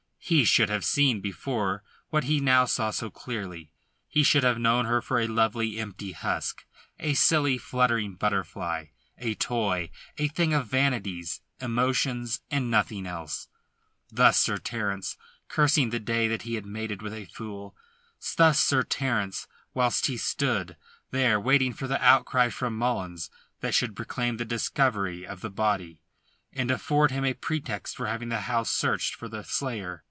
He should have seen before what he now saw so clearly. He should have known her for a lovely, empty husk; a silly, fluttering butterfly; a toy; a thing of vanities, emotions, and nothing else. Thus Sir Terence, cursing the day when he had mated with a fool. Thus Sir Terence whilst he stood there waiting for the outcry from Mullins that should proclaim the discovery of the body, and afford him a pretext for having the house searched for the slayer.